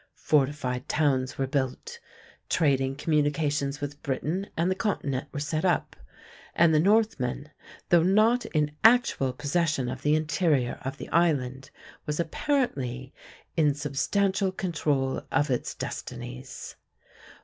Fortified towns were built, trading communications with Britain and the continent were set up, and the Northman, though not in actual possession of the interior of the island, was apparently in substantial control of its destinies.